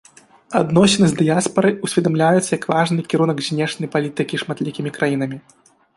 Адносіны з дыяспарай усведамляюцца як важны кірунак знешняй палітыкі шматлікімі краінамі.